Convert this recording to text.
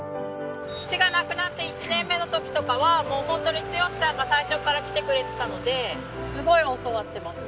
父が亡くなって１年目の時とかはもう本当に強さんが最初から来てくれてたのですごい教わってます。